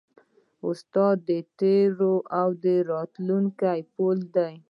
استاد د تېر او راتلونکي پل دی.